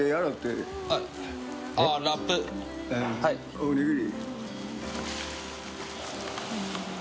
おにぎり。